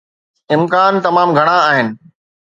امڪان تمام گهڻا آهن.